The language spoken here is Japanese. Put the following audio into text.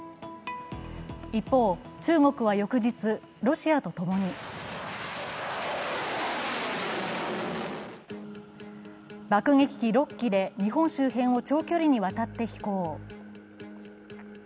一方、中国は翌日、ロシアと共に爆撃機６機で日本周辺を長距離にわたって飛行。